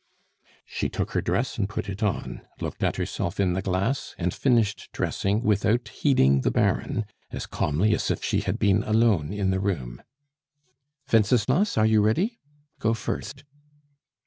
She took her dress and put it on, looked at herself in the glass, and finished dressing without heeding the Baron, as calmly as if she had been alone in the room. "Wenceslas, are you ready? Go first."